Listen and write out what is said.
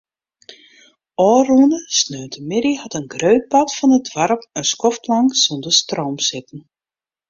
Ofrûne sneontemiddei hat in grut part fan it doarp in skoftlang sûnder stroom sitten.